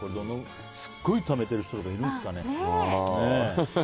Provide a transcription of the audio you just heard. すごいためてる人とかいるんですかね。